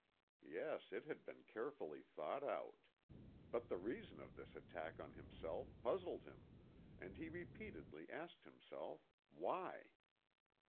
Yes, it had been carefully thought out. But the reason of this attack on himself puzzled him, and he repeatedly asked himself "Why?"